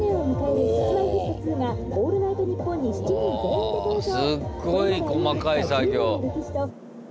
すっごい細かい作業。